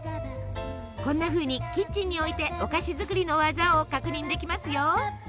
こんなふうにキッチンに置いてお菓子作りの技を確認できますよ。